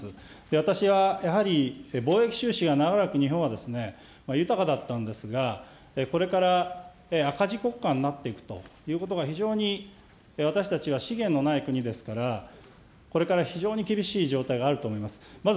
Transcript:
私はやはり、貿易収支が長らく日本は豊かだったんですが、これから赤字国家になっていくということが、非常に、私たちは資源のない国ですから、これから非常に厳しい状態があると思います。